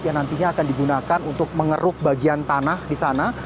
yang nantinya akan digunakan untuk mengeruk bagian tanah di sana